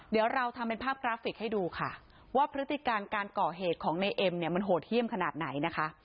เดี๋ยวเราทำเป็นภาพกราฟิกให้ดูค่ะว่าพฤติการการก่อเหตุของในเอ็มเนี่ยมันโหดเยี่ยมขนาดไหนนะคะ